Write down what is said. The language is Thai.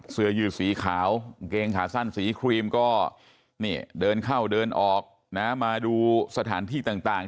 เสื้อยืดสีขาวกางเกงขาสั้นสีครีมก็เดินเข้าเดินออกมาดูสถานที่ต่าง